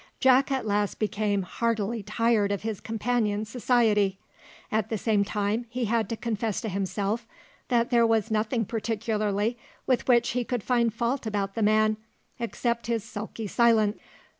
Jack at last became heartily tired of his companion's society: at the same time he had to confess to himself that there was nothing particularly with which he could find fault about the man, except his sulky silence.